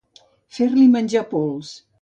Fer-li menjar pols.